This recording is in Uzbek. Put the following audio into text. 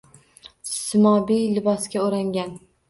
Simobiy libosga o’rangan